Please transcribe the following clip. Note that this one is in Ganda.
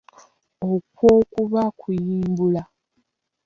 Okwo kuba kuyimbula.